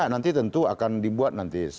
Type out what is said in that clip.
nanti tentu akan dibuat nanti